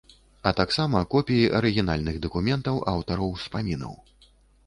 А таксама копіі арыгінальных дакументаў аўтараў успамінаў.